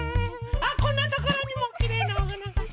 あこんなところにもきれいなおはなが。